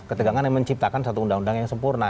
ketegangan yang menciptakan satu undang undang yang sempurna